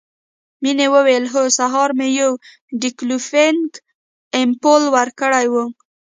مينې وويل هو سهار مې يو ډيکلوفينک امپول ورکړى و.